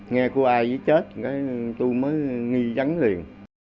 nghe cô ai dữ chết tôi mới nghi rắn liền